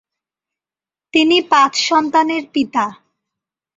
তিনি পাঁচ সন্তানের পিতা।